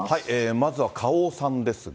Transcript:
まずは花王さんですが。